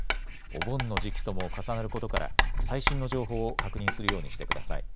お盆の時期とも重なることから最新の情報を確認するようにしてください。